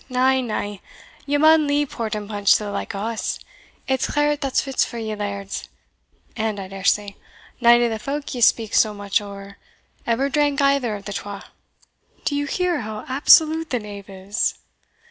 "Port! na, na! ye maun leave port and punch to the like o' us, it's claret that's fit for you lairds; and, I dare say, nane of the folk ye speak so much o' ever drank either of the twa." "Do you hear how absolute the knave is?